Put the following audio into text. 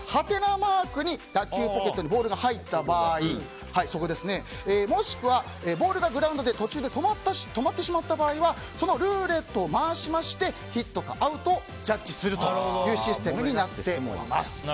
マークに打球ポケットにボールが入った場合もしくはボールがグラウンドで途中で止まってしまった場合はそのルーレットを回してヒットかアウトをジャッジするというシステムになっています。